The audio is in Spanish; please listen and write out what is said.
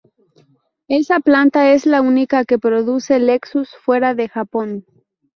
Esa planta es la única que produce Lexus fuera de Japón.